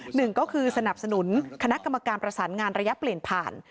หนึ่งก็คือสนับสนุนคณะกรรมการประสานงานระยะเปลี่ยนผ่าน